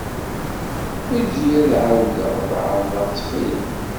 Eǧǧ-iyi ad εawdeɣ ad εerḍeɣ ttxil.